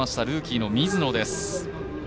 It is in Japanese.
ルーキーの水野です。